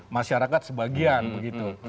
masyarakat sebagian begitu